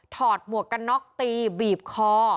หมวกกันน็อกตีบีบคอ